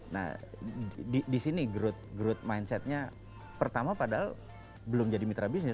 nah di sini growth mindsetnya pertama padahal belum jadi mitra bisnis